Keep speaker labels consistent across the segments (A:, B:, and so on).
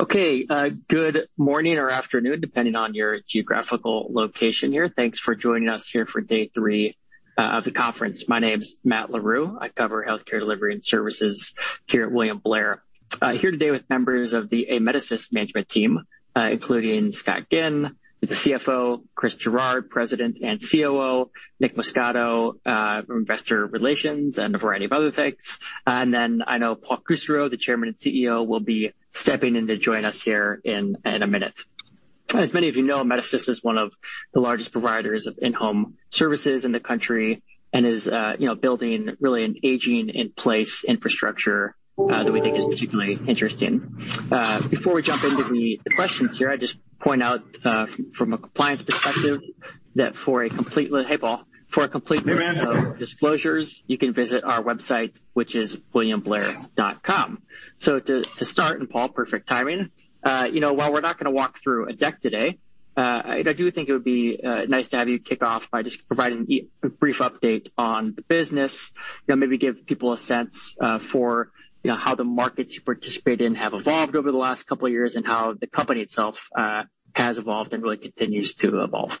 A: Okay. Good morning or afternoon, depending on your geographical location here. Thanks for joining us here for day three of the conference. My name's Matt Larew. I cover healthcare delivery and services here at William Blair. I'm here today with members of the Amedisys management team, including Scott Ginn, the CFO, Chris Gerard, President and COO, Nick Muscato, Investor Relations, and a variety of other folks. I know Paul Kusserow, the Chairman and CEO, will be stepping in to join us here in a minute. As many of you know, Amedisys is one of the largest providers of in-home services in the country and is building really an aging in place infrastructure that we think is particularly interesting. Before we jump into the questions here, I'll just point out from a compliance perspective that for a complete list of disclosures, you can visit our website, which is williamblair.com. To start, Paul, perfect timing. While we're not going to walk through a deck today, I do think it would be nice to have you kick off by just providing a brief update on the business. Maybe give people a sense for how the markets you participate in have evolved over the last couple of years and how the company itself has evolved and really continues to evolve.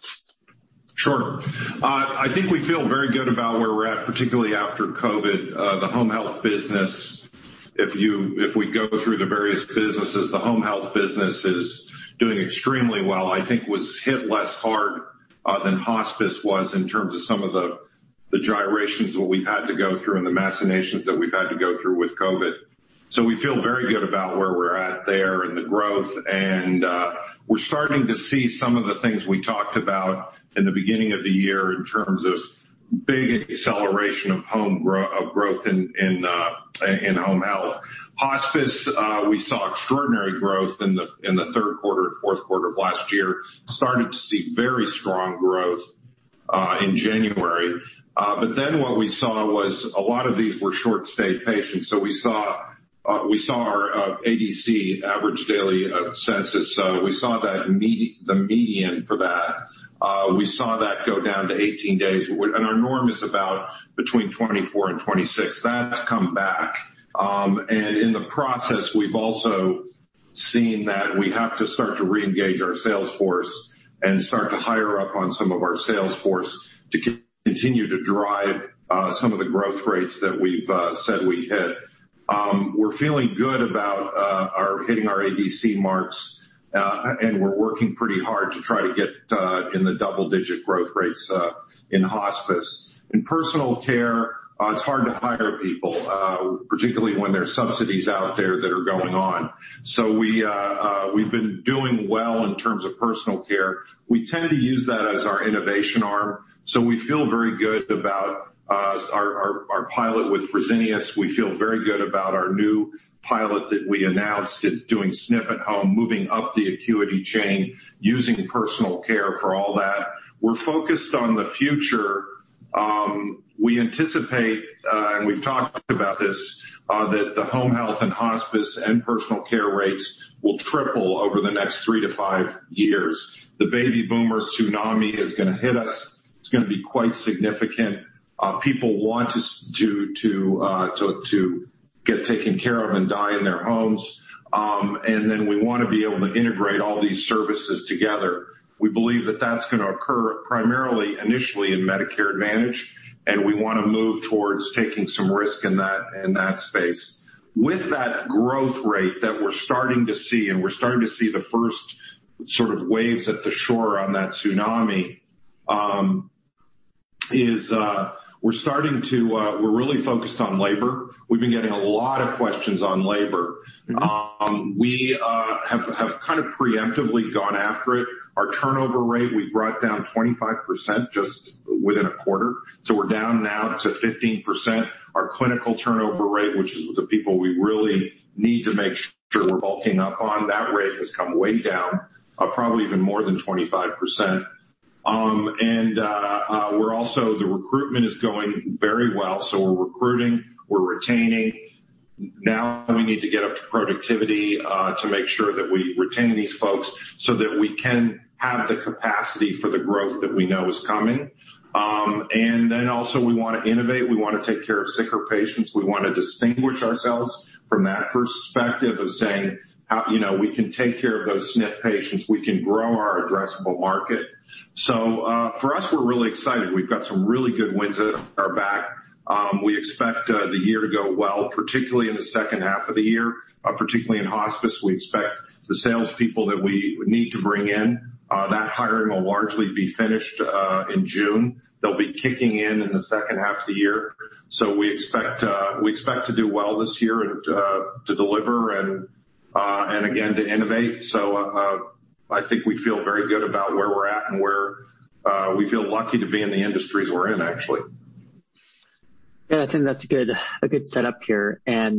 B: Sure. I think we feel very good about where we're at, particularly after COVID. The home health business, if we go through the various businesses, the home health business is doing extremely well. I think was hit less hard than hospice was in terms of some of the gyrations that we've had to go through and the machinations that we've had to go through with COVID. We feel very good about where we're at there and the growth, and we're starting to see some of the things we talked about in the beginning of the year in terms of big acceleration of growth in home health. Hospice, we saw extraordinary growth in the third quarter and fourth quarter of last year. Started to see very strong growth, in January. What we saw was a lot of these were short-stay patients, so we saw our ADC, average daily census, the median for that go down to 18 days, and our norm is about between 24 and 26. That's come back. In the process, we've also seen that we have to start to reengage our sales force and start to hire up on some of our sales force to continue to drive some of the growth rates that we've said we'd hit. We're feeling good about hitting our ADC marks, and we're working pretty hard to try to get in the double-digit growth rates in hospice. In personal care, it's hard to hire people, particularly when there's subsidies out there that are going on. We've been doing well in terms of personal care. We tend to use that as our innovation arm, so we feel very good about our pilot with Fresenius. We feel very good about our new pilot that we announced. It's doing SNF at home, moving up the acuity chain, using personal care for all that. We're focused on the future. We anticipate, and we've talked about this, that the home health and hospice and personal care rates will triple over the next three to five years. The baby boomer tsunami is going to hit us. It's going to be quite significant. People want to get taken care of and die in their homes. We want to be able to integrate all these services together. We believe that that's going to occur primarily initially in Medicare Advantage, and we want to move towards taking some risk in that space. With that growth rate that we're starting to see, and we're starting to see the first sort of waves at the shore on that tsunami, is we're really focused on labor. We've been getting a lot of questions on labor. We have kind of preemptively gone after it. Our turnover rate, we brought down 25% just within a quarter, so we're down now to 15%. Our clinical turnover rate, which is with the people we really need to make sure we're bulking up on, that rate has come way down, probably even more than 25%. The recruitment is going very well, so we're recruiting, we're retaining. Now we need to get up to productivity, to make sure that we retain these folks so that we can have the capacity for the growth that we know is coming. We want to innovate. We want to take care of sicker patients. We want to distinguish ourselves from that perspective of saying, we can take care of those SNF patients. We can grow our addressable market. For us, we're really excited. We've got some really good wins under our belt. We expect the year to go well, particularly in the second half of the year, particularly in hospice. We expect the salespeople that we need to bring in, that hiring will largely be finished in June. They'll be kicking in the second half of the year. We expect to do well this year and to deliver and again, to innovate. I think we feel very good about where we're at and where. We feel lucky to be in the industries we're in, actually.
A: Yeah, I think that's a good setup here. I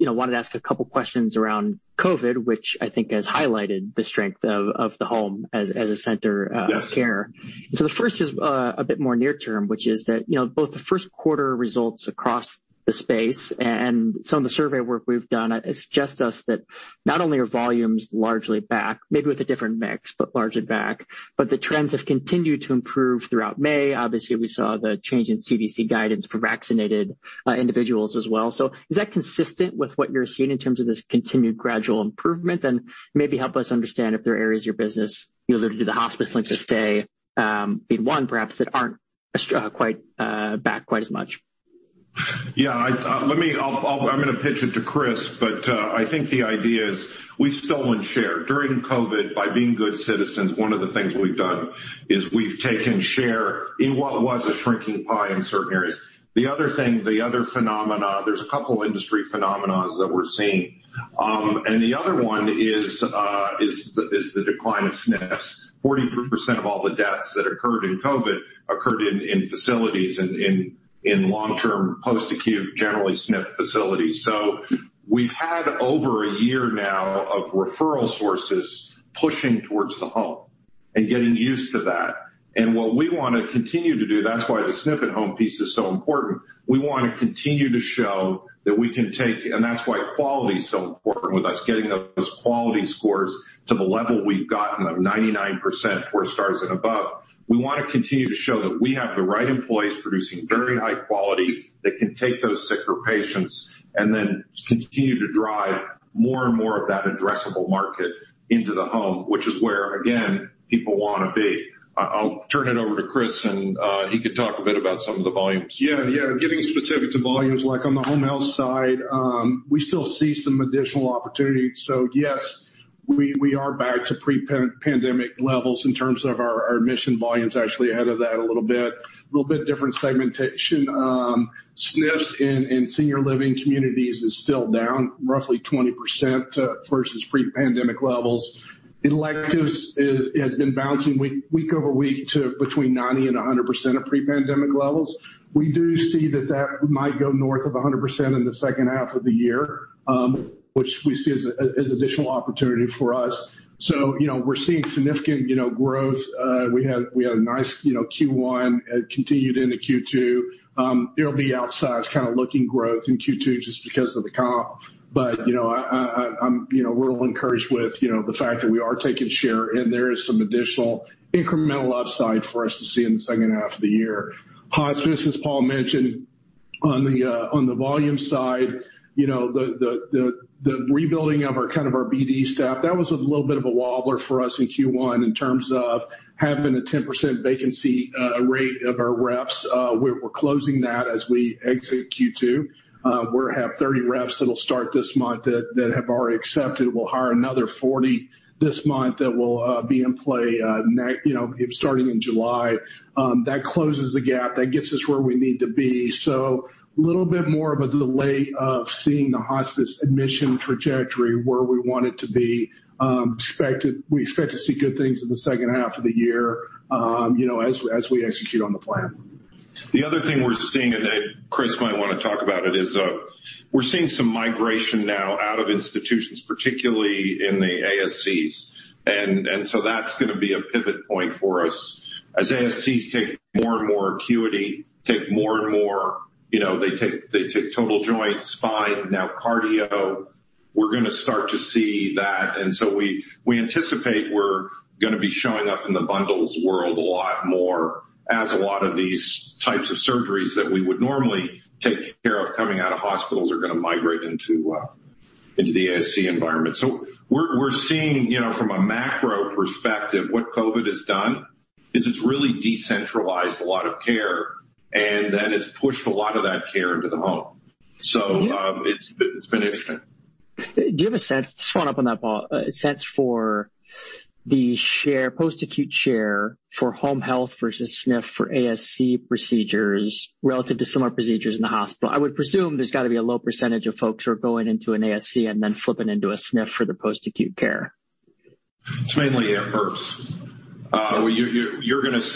A: want to ask a couple questions around COVID, which I think has highlighted the strength of the home as a center of care. The first is a bit more near term, which is that both the first quarter results across the space and some of the survey work we've done suggests to us that not only are volumes largely back, maybe with a different mix, but largely back, but the trends have continued to improve throughout May. Obviously, we saw the change in CDC guidance for vaccinated individuals as well. Is that consistent with what you're seeing in terms of this continued gradual improvement? Maybe help us understand if there are areas of your business, either the hospice length of stay, be one perhaps that aren't quite back quite as much.
B: Yeah. I'm going to pitch it to Chris. I think the idea is we've stolen share. During COVID, by being good citizens, one of the things we've done is we've taken share in what was a shrinking pie in certain areas. The other thing, the other phenomena, there's a couple of industry phenomenons that we're seeing. The other one is the decline of SNFs. 43% of all the deaths that occurred in COVID occurred in facilities, in long-term post-acute, generally SNF facilities. We've had over a year now of referral sources pushing towards the home and getting used to that. What we want to continue to do, that's why the SNF at home piece is so important. That's why quality is so important with us, getting those quality scores to the level we've gotten of 99%, four stars and above. We want to continue to show that we have the right employees producing very high quality that can take those sicker patients and then continue to drive more and more of that addressable market into the home, which is where, again, people want to be. I'll turn it over to Chris, and he can talk a bit about some of the volumes.
C: Yeah. Getting specific to volumes, on the home health side, we still see some additional opportunity. Yes, we are back to pre-pandemic levels in terms of our admission volumes, actually ahead of that a little bit. A little bit different segmentation. SNFs and senior living communities is still down roughly 20% versus pre-pandemic levels. Electives has been bouncing week over week to between 90% and 100% of pre-pandemic levels. We do see that that might go north of 100% in the second half of the year, which we see as additional opportunity for us. We're seeing significant growth. We had a nice Q1. It continued into Q2. It'll be outsized kind of looking growth in Q2 just because of the comp. We're encouraged with the fact that we are taking share and there is some additional incremental upside for us to see in the second half of the year. Hospice, as Paul mentioned on the volume side, the rebuilding of our BD staff, that was a little bit of a wobbler for us in Q1 in terms of having a 10% vacancy rate of our reps. We're closing that as we exit Q2. We have 30 reps that'll start this month that have already accepted. We'll hire another 40 this month that will be in play starting in July. That closes the gap. That gets us where we need to be. A little bit more of a delay of seeing the hospice admission trajectory where we want it to be. We expect to see good things in the second half of the year as we execute on the plan.
B: The other thing we're seeing, Chris might want to talk about it, is we're seeing some migration now out of institutions, particularly in the ASCs, that's going to be a pivot point for us. As ASCs take more and more acuity, they take total joints, spine, now cardio. We're going to start to see that, we anticipate we're going to be showing up in the bundles world a lot more as a lot of these types of surgeries that we would normally take care of coming out of hospitals are going to migrate into the ASC environment. We're seeing from a macro perspective, what COVID has done is it's really decentralized a lot of care, it's pushed a lot of that care into the home. It's been interesting.
A: Do you have a sense, to follow up on that, Paul, a sense for the post-acute share for home health versus SNF for ASC procedures relative to similar procedures in the hospital? I would presume there's got to be a low percentage of folks who are going into an ASC and then flipping into a SNF for the post-acute care.
B: It's mainly IRFs.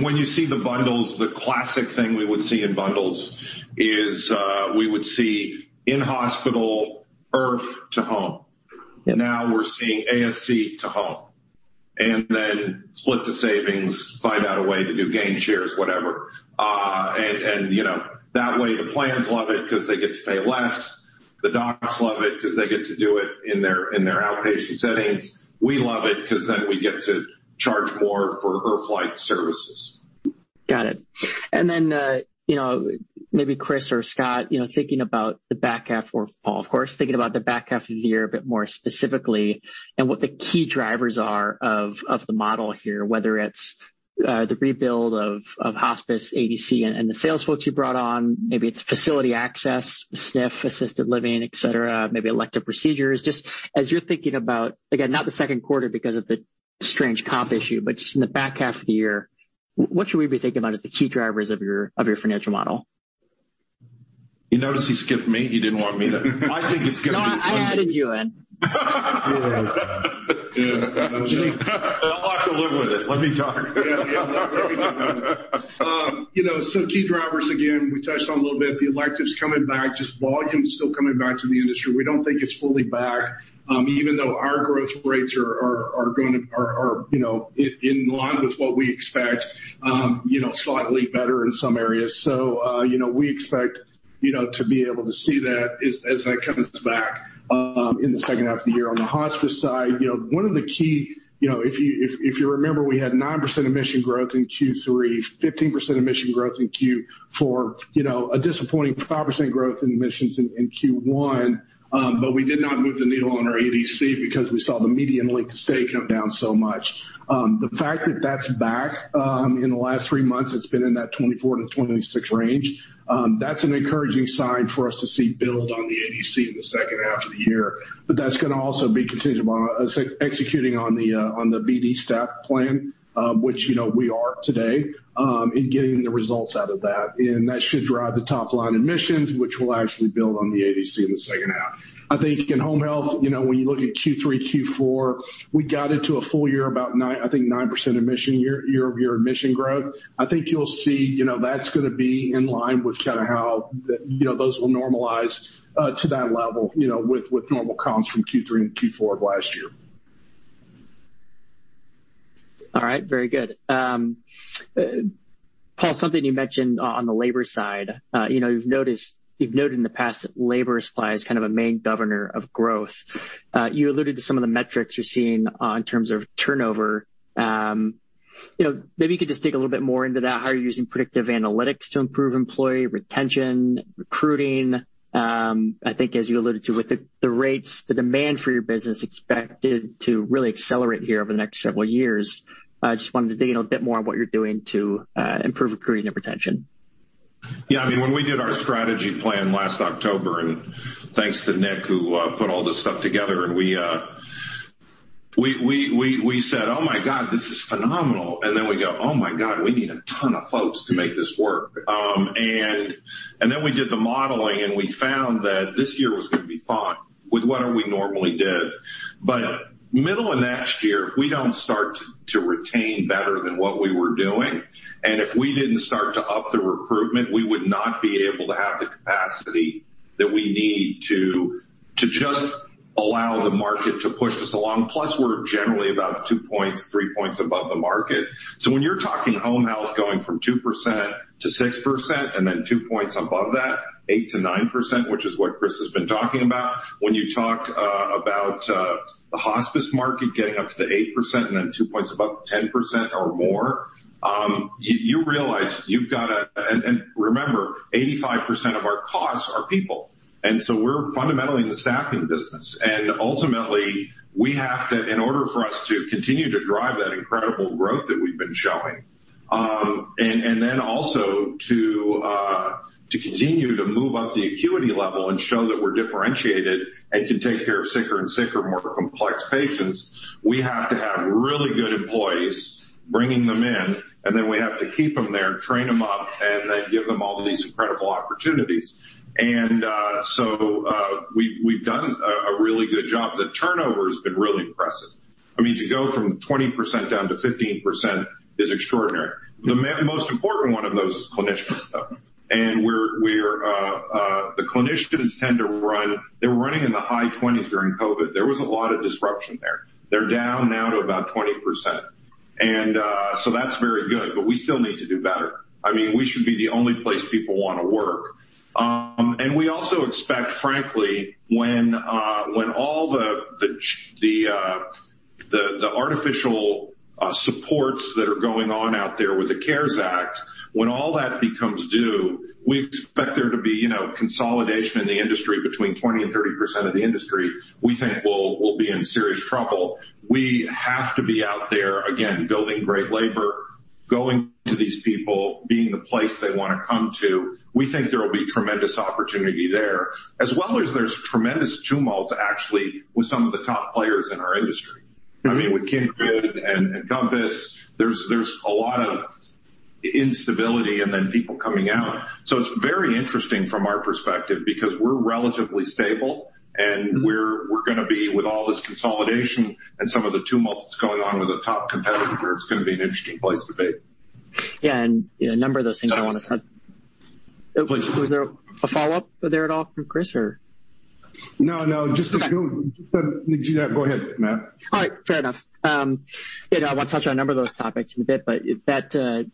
B: When you see the bundles, the classic thing we would see in bundles is we would see in-hospital IRF to home, and now we're seeing ASC to home, and then split the savings, find out a way to do gain shares, whatever. That way, the plans love it because they get to pay less. The docs love it because they get to do it in their outpatient settings. We love it because then we get to charge more for IRF-like services.
A: Then, maybe Chris or Scott, thinking about the back half or Paul, of course, thinking about the back half of the year a bit more specifically and what the key drivers are of the model here, whether it's the rebuild of hospice, ADC, and the sales folks you brought on. Maybe it's facility access, SNF, assisted living, et cetera, maybe elective procedures. Just as you're thinking about, again, not the second quarter because of the strange comp issue, but just in the back half of the year, what should we be thinking about as the key drivers of your financial model?
B: You notice he skipped me. He didn't want me.
A: No, I added you in. Yeah.
B: I'll have to live with it. Let me talk. Some key drivers again, we touched on a little bit, the electives coming back, just volume still coming back to the industry. We don't think it's fully back, even though our growth rates are in line with what we expect, slightly better in some areas. We expect to be able to see that as that comes back in the second half of the year. On the hospice side, one of the key, if you remember, we had 9% admission growth in Q3, 15% admission growth in Q4, a disappointing 5% growth in admissions in Q1. We did not move the needle on our ADC because we saw the median length of stay come down so much. The fact that that's back, in the last three months, it's been in that 24-26 range. That's an encouraging sign for us to see build on the ADC in the second half of the year. That's going to also be contingent on executing on the BD staff plan, which we are today, and getting the results out of that. That should drive the top line admissions, which will actually build on the ADC in the second half. I think in home health, when you look at Q3, Q4, we got into a full-year about, I think, 9% year-over-year admission growth. I think you'll see that's going to be in line with how those will normalize to that level with normal comps from Q3 and Q4 of last year.
A: All right. Very good. Paul, something you mentioned on the labor side. You've noted in the past that labor supply is a main governor of growth. You alluded to some of the metrics you're seeing in terms of turnover. Maybe you could just dig a little bit more into that, how you're using predictive analytics to improve employee retention, recruiting. I think as you alluded to, with the rates, the demand for your business expected to really accelerate here over the next several years. I just wanted to dig in a bit more on what you're doing to improve recruiting and retention.
B: Yeah, when we did our strategy plan last October, thanks to Nick, who put all this stuff together, we said, "Oh, my God, this is phenomenal." We go, "Oh, my God, we need a ton of folks to make this work." We did the modeling, we found that this year was going to be fine with what we normally did. Middle of next year, if we don't start to retain better than what we were doing, if we didn't start to up the recruitment, we would not be able to have the capacity that we need to just allow the market to push us along. Plus, we're generally about two points, three points above the market. When you're talking home health going from 2% to 6%, and then two points above that, 8%-9%, which is what Chris has been talking about. When you talk about the hospice market getting up to 8%, and then two points above 10% or more, you realize. Remember, 85% of our costs are people. We're fundamentally in the staffing business. Ultimately, in order for us to continue to drive that incredible growth that we've been showing. Also to continue to move up the acuity level and show that we're differentiated and to take care of sicker and sicker, more complex patients, we have to have really good employees bringing them in, and then we have to keep them there, train them up, and then give them all these incredible opportunities. We've done a really good job. The turnover has been really impressive. To go from 20% down to 15% is extraordinary. The most important one of those is clinicians, though. The clinicians tend to run, they were running in the high 20s during COVID. There was a lot of disruption there. They're down now to about 20%. That's very good, but we still need to do better. We should be the only place people want to work. We also expect, frankly, when all the artificial supports that are going on out there with the CARES Act, when all that becomes due, we expect there to be consolidation in the industry between 20% and 30% of the industry, we think will be in serious trouble. We have to be out there, again, building great labor, going to these people, being the place they want to come to. We think there will be tremendous opportunity there, as well as there's tremendous tumult, actually, with some of the top players in our industry. With Kindred and Compassus, there's a lot of instability and then people coming out. It's very interesting from our perspective because we're relatively stable, and we're going to be with all this consolidation and some of the tumult that's going on with the top competitors, it's going to be an interesting place to be.
A: Yeah, Was there a follow-up there at all from Chris, or?
C: No, just to build. Go ahead, Matt.
A: All right. Fair enough. I want to touch on a number of those topics in a bit, but that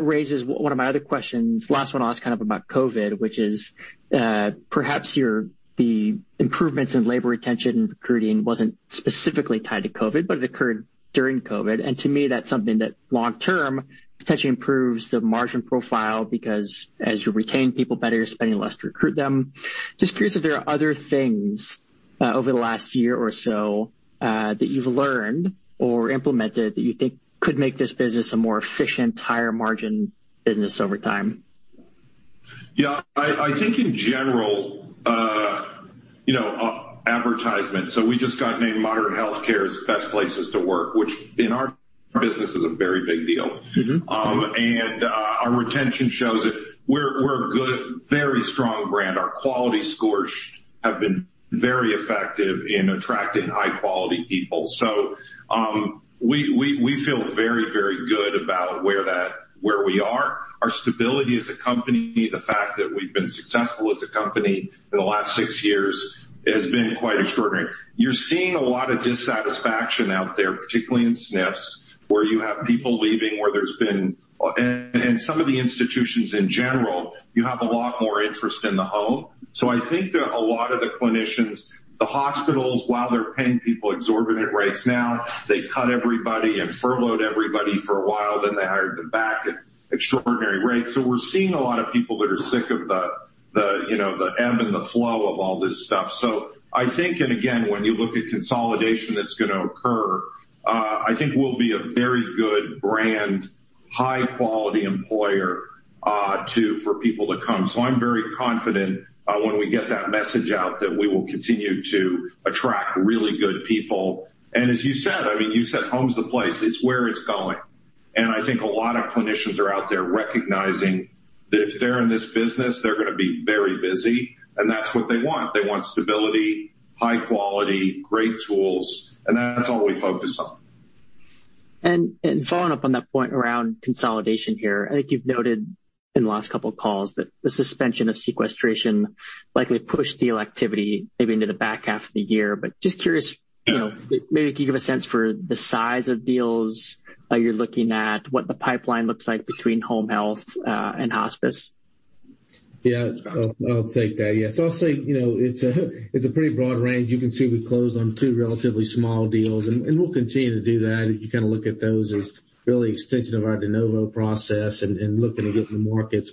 A: raises one of my other questions. Last one I'll ask about COVID, which is, perhaps the improvements in labor retention recruiting wasn't specifically tied to COVID, but it occurred during COVID. To me, that's something that long term potentially improves the margin profile because as you retain people better, you're spending less to recruit them. Just curious if there are other things over the last year or so that you've learned or implemented that you think could make this business a more efficient, higher margin business over time?
B: Yeah. I think in general, advertisement. We just got named Modern Healthcare's Best Places to Work, which in our business is a very big deal. Our retention shows it. We're a very strong brand. Our quality scores have been very effective in attracting high-quality people. We feel very, very good about where we are. Our stability as a company, the fact that we've been successful as a company in the last six years has been quite extraordinary. You're seeing a lot of dissatisfaction out there, particularly in SNFs, where you have people leaving, and some of the institutions in general, you have a lot more interest in the home. I think that a lot of the clinicians, the hospitals, while they're paying people exorbitant rates now, they cut everybody and furloughed everybody for a while, then they hired them back at extraordinary rates. We're seeing a lot of people that are sick of the ebb and the flow of all this stuff. I think, and again, when you look at consolidation that's going to occur, I think we'll be a very good brand, high-quality employer for people to come. I'm very confident when we get that message out that we will continue to attract really good people. As you said, home's the place. It's where it's going. I think a lot of clinicians are out there recognizing that if they're in this business, they're going to be very busy, and that's what they want. They want stability, high quality, great tools, and that's all we focus on.
A: Following up on that point around consolidation here, I think you've noted in the last couple of calls that the suspension of sequestration likely pushed deal activity maybe into the back half of the year, just curious, maybe can you give a sense for the size of deals you're looking at, what the pipeline looks like between home health and hospice?
D: I'll take that. I'll say, it's a pretty broad range. You can see we closed on two relatively small deals, and we'll continue to do that. You kind of look at those as really extensions of our de novo process and looking to get in the markets.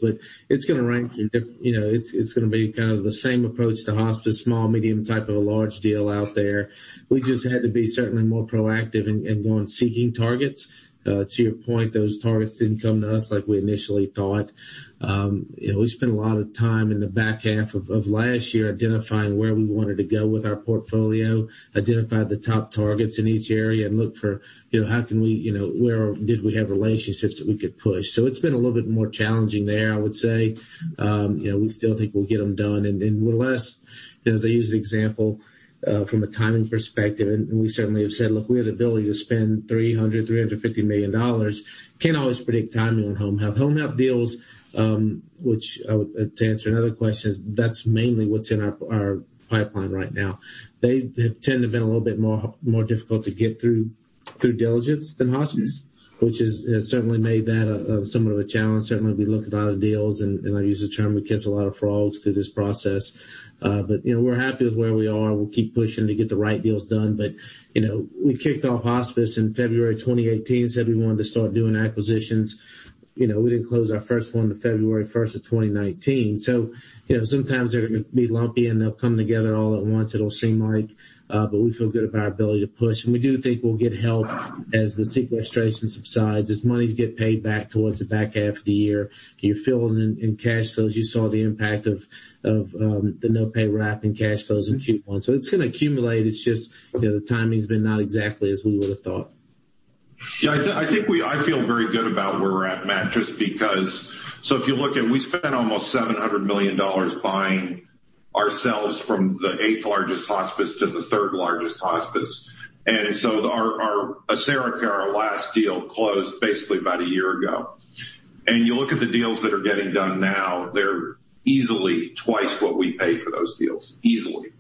D: It's going to be kind of the same approach to hospice, small, medium, type of a large deal out there. We just had to be certainly more proactive in going seeking targets. To your point, those targets didn't come to us like we initially thought. We spent a lot of time in the back half of last year identifying where we wanted to go with our portfolio, identified the top targets in each area, and looked for where did we have relationships that we could push. It's been a little bit more challenging there, I would say. We still think we'll get them done. We're less, as I use the example from a timing perspective. We certainly have said, look, we have the ability to spend $300 million-$350 million. Can't always predict timing on home health. Home health deals, which to answer another question, that's mainly what's in our pipeline right now. They tend to be a little bit more difficult to get through diligence than hospice, which has certainly made that somewhat of a challenge. Certainly, we look at a lot of deals. I use the term we kiss a lot of frogs through this process. We're happy with where we are. We'll keep pushing to get the right deals done. We kicked off hospice in February 2018, said we wanted to start doing acquisitions. We didn't close our first one until February 1st of 2019. Sometimes they'll be lumpy, and they'll come together all at once, it'll seem like. We feel good about our ability to push. We do think we'll get help as the sequestration subsides, as monies get paid back towards the back half of the year. You're feeling it in cash flows. You saw the impact of the no-pay RAP in cash flows in Q1. It's going to accumulate. It's just the timing's been not exactly as we would've thought.
B: I feel very good about where we're at, Matt, just because, if you look at it, we spent almost $700 million buying ourselves from the eighth largest hospice to the third largest hospice. AseraCare, our last deal, closed basically about a year ago. You look at the deals that are getting done now, they're easily twice what we paid for those deals. Easily.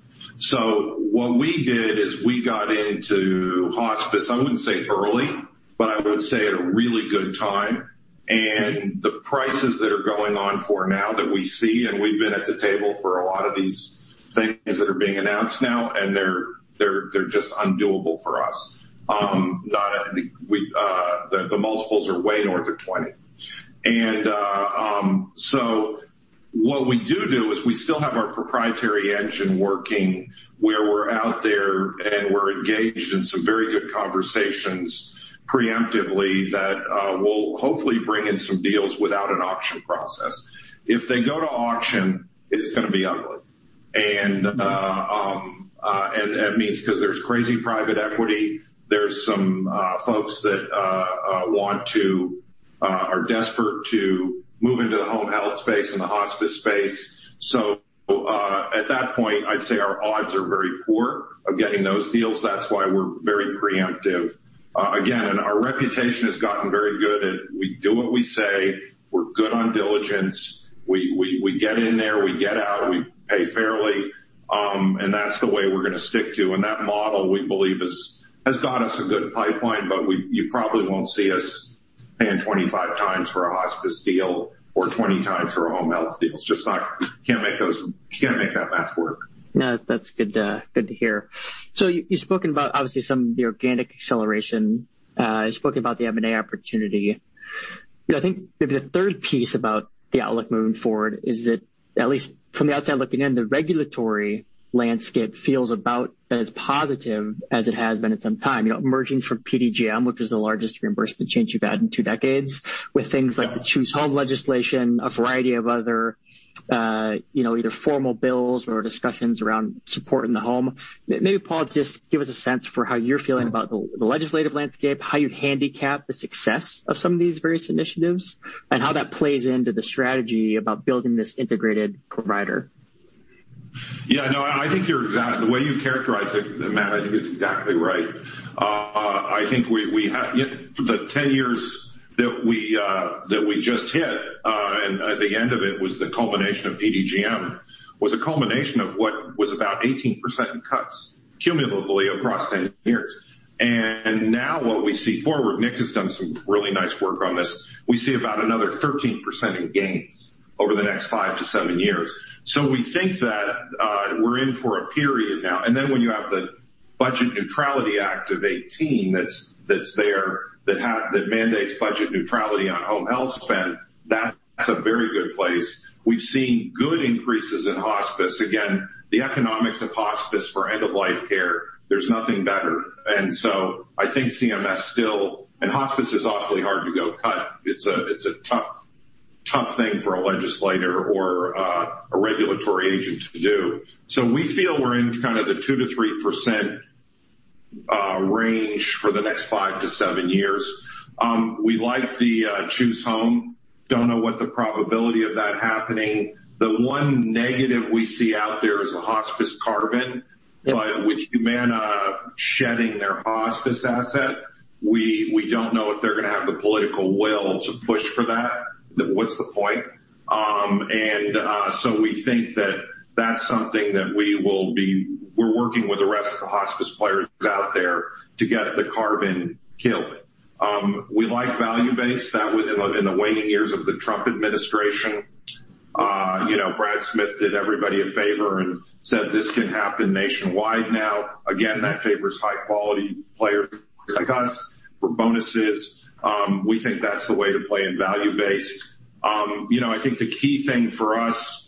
B: What we did is we got into hospice, I wouldn't say early, but I would say at a really good time. The prices that are going on for now that we see, and we've been at the table for a lot of these things that are being announced now, and they're just undoable for us. The multiples are way north of 20. What we do do is we still have our proprietary engine working where we're out there and we're engaged in some very good conversations preemptively that will hopefully bring in some deals without an auction process. If they go to auction, it's going to be ugly. That means because there's crazy private equity, there's some folks that are desperate to move into the home health space and the hospice space. At that point, I'd say our odds are very poor of getting those deals. That's why we're very preemptive. Again, our reputation has gotten very good at we do what we say, we're good on diligence. We get in there, we get out, we pay fairly. That's the way we're going to stick to. That model, we believe, has got us a good pipeline, but you probably won't see us paying 25 times for a hospice deal or 20 times for a home health deal. Just can't make that math work.
A: No, that's good to hear. You've spoken about obviously some of the organic acceleration. You spoke about the M&A opportunity. I think maybe the third piece about the outlook moving forward is that at least from the outside looking in, the regulatory landscape feels about as positive as it has been in some time. Emerging from PDGM, which is the largest reimbursement change you've had in two decades with things like the Choose Home legislation, a variety of other either formal bills or discussions around support in the home. Maybe, Paul, just give us a sense for how you're feeling about the legislative landscape, how you'd handicap the success of some of these various initiatives, and how that plays into the strategy about building this integrated provider.
B: Yeah. No, I think the way you characterize it, Matt, I think is exactly right. I think for the 10 years that we just hit, and at the end of it was the culmination of PDGM, was a culmination of what was about 18% cuts cumulatively across 10 years. Now what we see forward, Nick has done some really nice work on this, we see about another 13% in gains over the next five to seven years. We think that we're in for a period now. When you have the Bipartisan Budget Act of 2018 that's there, that mandates budget neutrality on home health spend, that's a very good place. We've seen good increases in hospice. Again, the economics of hospice for end-of-life care, there's nothing better. Hospice is awfully hard to go cut. It's a tough thing for a legislator or a regulatory agent to do. We feel we're in kind of the 2%-3% range for the next five to seven years. We like the Choose Home. Don't know what the probability of that happening. The one negative we see out there is a hospice carve-in. With Humana shedding their hospice asset, we don't know if they're going to have the political will to push for that. What's the point? We think that that's something that we're working with the rest of the hospice players out there to get the carve-in killed. We like value-based in the waning years of the Trump administration. Brad Smith did everybody a favor and said this can happen nationwide now. Again, that favors high-quality players for bonuses. We think that's the way to play in value-based. I think the key thing for us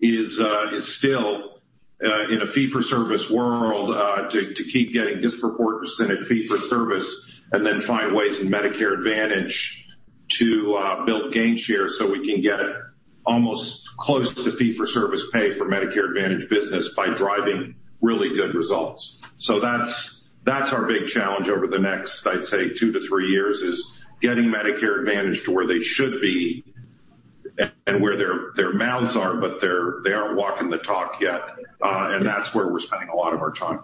B: is still in a fee-for-service world, to keep getting disproportionate fee-for-service and then find ways in Medicare Advantage to build gain share so we can get almost close to fee-for-service pay for Medicare Advantage business by driving really good results. That's our big challenge over the next, I'd say two to three years, is getting Medicare Advantage to where they should be and where their mouths are, but they aren't walking the talk yet. That's where we're spending a lot of our time.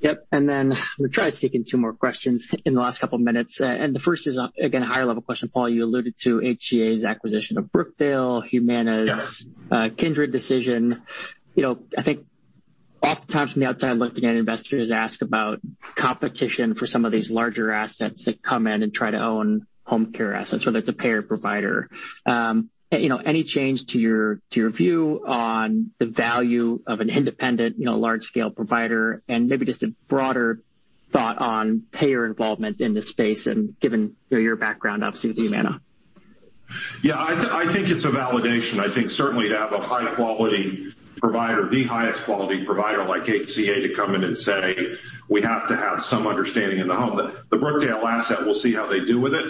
A: Yep. Then we'll try to take in two more questions in the last couple of minutes. The first is, again, a high-level question. Paul, you alluded to HCA's acquisition of Brookdale, Humana's Kindred decision. I think oftentimes from the outside looking in, investors ask about competition for some of these larger assets that come in and try to own home care assets, whether it's a payer provider. Any change to your view on the value of an independent, large-scale provider and maybe just a broader thought on payer involvement in the space and given your background obviously with Humana?
B: I think it's a validation. I think certainly to have a high-quality provider, the highest quality provider like HCA to come in and say, we have to have some understanding in the home. The Brookdale asset, we'll see how they do with it.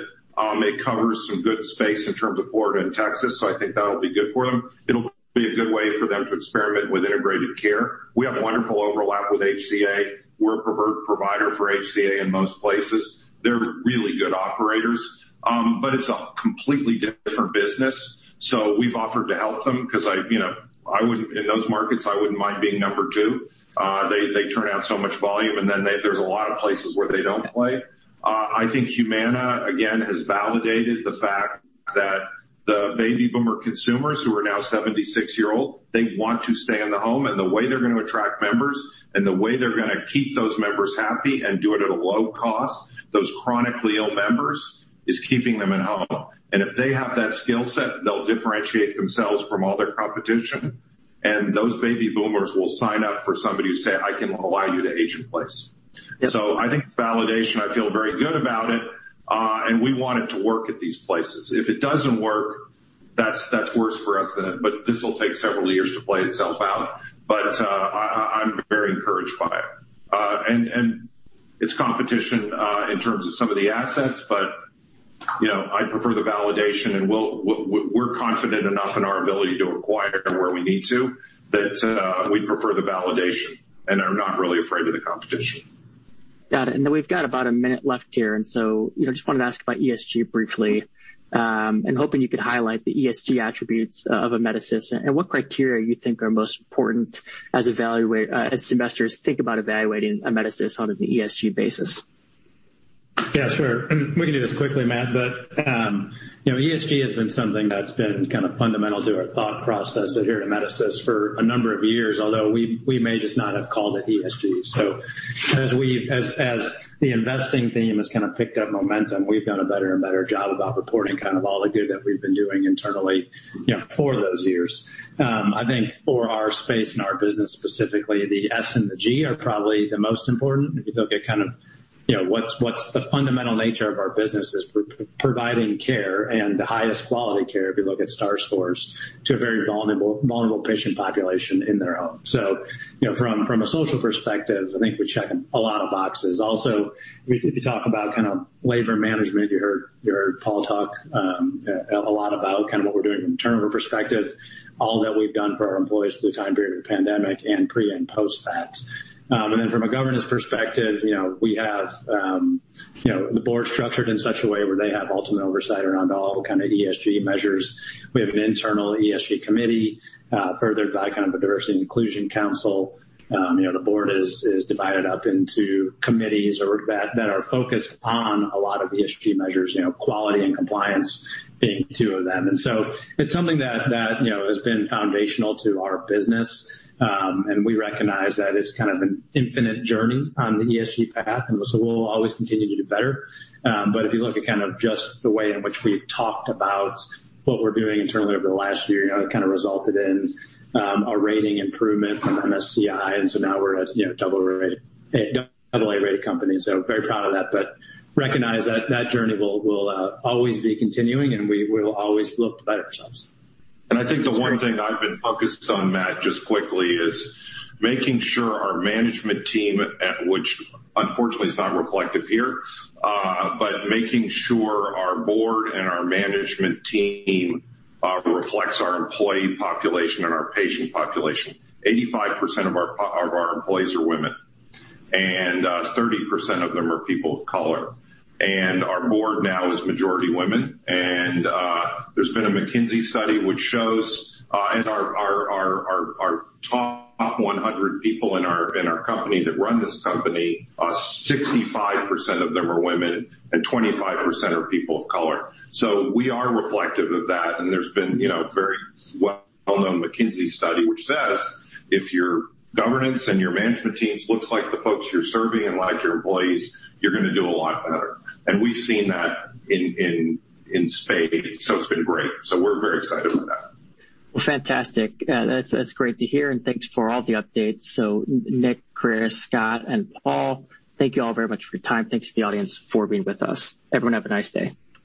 B: It covers some good space in terms of Florida and Texas, I think that'll be good for them. It'll be a good way for them to experiment with integrated care. We have a wonderful overlap with HCA. We're a preferred provider for HCA in most places. They're really good operators, but it's a completely different business. We've offered to help them because in those markets, I wouldn't mind being number two. They turn out so much volume, and then there's a lot of places where they don't play. I think Humana, again, has validated the fact that the baby boomer consumers who are now 76 year old, they want to stay in the home. The way they're going to attract members and the way they're going to keep those members happy and do it at a low cost, those chronically ill members, is keeping them at home. If they have that skill set, they'll differentiate themselves from all their competition, and those baby boomers will sign up for somebody who say, "I can allow you to age in place." I think it's validation. I feel very good about it, and we want it to work at these places. If it doesn't work, that's worse for us than it. This will take several years to play itself out. I'm very encouraged by it. It's competition in terms of some of the assets, but I prefer the validation, and we're confident enough in our ability to acquire where we need to that we prefer the validation and are not really afraid of the competition.
A: Got it. We've got about one minute left here. I just want to ask about ESG briefly. I'm hoping you can highlight the ESG attributes of Amedisys and what criteria you think are most important as investors think about evaluating Amedisys on an ESG basis.
E: Yeah, sure. We can do this quickly, Matt, but ESG has been something that's been kind of fundamental to our thought process here at Amedisys for a number of years, although we may just not have called it ESG. As the investing theme has picked up momentum, we've done a better and better job about reporting all the good that we've been doing internally for those years. I think for our space and our business specifically, the S and the G are probably the most important. If you look at what's the fundamental nature of our business is we're providing care and the highest quality care, if you look at star scores, to a very vulnerable patient population in their home. From a social perspective, I think we check a lot of boxes. Also, if you talk about labor management, you heard Paul talk a lot about what we're doing from a turnover perspective, all that we've done for our employees through the time period of the pandemic and pre and post that. From a governance perspective, the board's structured in such a way where they have ultimate oversight around all kind of ESG measures. We have an internal ESG committee, furthered by kind of the diversity and inclusion council. The board is divided up into committees that are focused on a lot of ESG measures, quality and compliance being two of them. It's something that has been foundational to our business. We recognize that it's kind of an infinite journey on the ESG path. We'll always continue to do better. If you look at just the way in which we've talked about what we're doing internally over the last year, how it resulted in a rating improvement from MSCI, and so now we're a double A-rated company, so very proud of that, but recognize that that journey will always be continuing, and we will always look to better ourselves.
B: I think the one thing I've been focused on, Matt, just quickly, is making sure our management team, which unfortunately is not reflective here, but making sure our board and our management team reflects our employee population and our patient population. 85% of our employees are women, and 30% of them are people of color. Our board now is majority women. There's been a McKinsey study which shows in our top 100 people in our company that run this company, 65% of them are women and 25% are people of color. We are reflective of that, and there's been a very well-known McKinsey study which says if your governance and your management teams looks like the folks you're serving and like your employees, you're going to do a lot better. We've seen that in spades. It's been great. We're very excited with that.
A: Well, fantastic. That's great to hear and thanks for all the updates. Nick, Chris, Scott and Paul, thank you all very much for your time. Thanks to the audience for being with us. Everyone have a nice day.